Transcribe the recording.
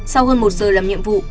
sau hơn một giờ làm nhiệm vụ